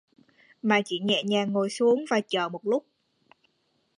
Mà chỉ nhẹ nhàng ngồi xuống và chờ một lúc